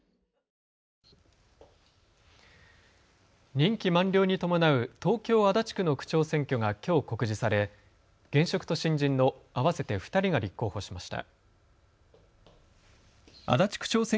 任期満了に伴う東京足立区の区長選挙がきょう告示され現職と新人の合わせて２人が立候補しました。